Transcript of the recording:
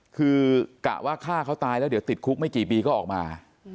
คือกะว่าฆ่าเขาตายแล้วเดี๋ยวติดคุกไม่กี่ปีก็ออกมา